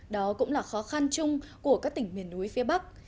đó cũng là khó khăn chung của các tỉnh miền núi phía bắc